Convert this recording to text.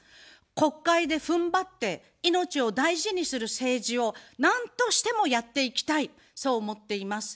国会でふんばって、命を大事にする政治をなんとしてもやっていきたい、そう思っています。